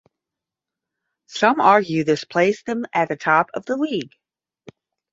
Some argue this placed them at the top of the league.